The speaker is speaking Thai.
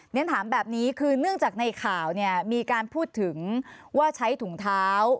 ฉันถามแบบนี้คือเนื่องจากในข่าวเนี่ยมีการพูดถึงว่าใช้ถุงเท้า